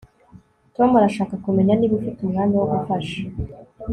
Tom arashaka kumenya niba ufite umwanya wo gufasha